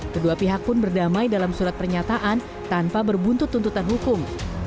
kedua pihak pun berdamai dalam surat pernyataan tanpa berbuntut tuntutan hukum